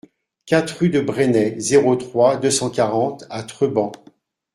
quatre rue de Bresnay, zéro trois, deux cent quarante à Treban